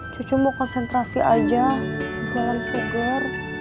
cucu mau konsentrasi aja dalam sugar